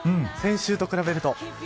先週と比べると。